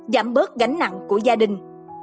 giảm bớt gánh nặng của gia đình